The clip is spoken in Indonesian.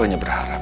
aku hanya berharap